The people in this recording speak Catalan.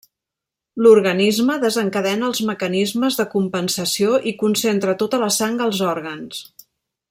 L'organisme desencadena els mecanismes de compensació i concentra tota la sang als òrgans.